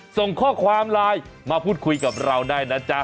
ส่งข้อความไลน์มาพูดคุยกับเราได้นะจ๊ะ